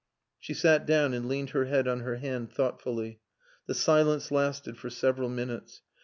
She sat down and leaned her head on her hand thoughtfully. The silence lasted for several minutes.